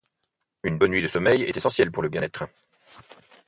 Une bonne nuit de sommeil est essentielle pour le bien-être.